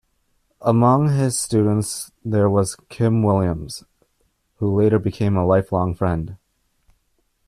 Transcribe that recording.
Among his students there was Kim Williams who later became a lifelong friend.